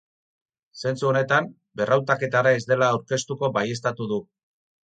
Zentzu honetan, berrautaketara ez dela aurkeztuko baieztatu du.